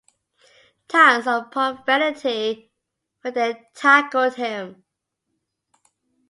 Tons of profanity when they tackled him.